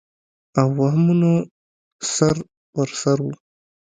او وهمونه سر پر سر وو